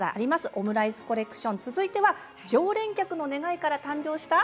オムライスコレクション続いては常連客の願いから誕生した。